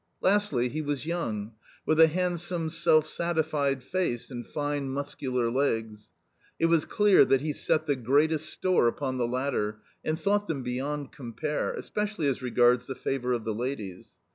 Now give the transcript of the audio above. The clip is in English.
Lastly, he was young, with a handsome, self satisfied face and fine muscular legs. It was clear that he set the greatest store upon the latter, and thought them beyond compare, especially as regards the favour of the ladies.